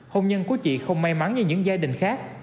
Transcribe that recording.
hôn nhân của chị không may mắn như những gia đình khác